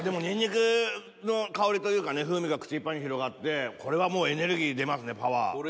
ニンニクの香りというか風味が口いっぱいに広がってこれはもうエネルギー出ますねパワー。